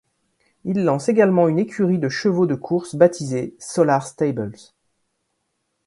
Il lance également une écurie de chevaux de course baptisé Solar Stables.